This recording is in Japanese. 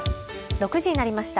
６時になりました。